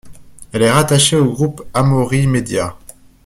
Elle est rattachée au Groupe Amaury Média.